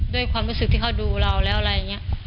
ด้วยความรู้สึกที่เขาดูเราแล้วอะไรอย่างนี้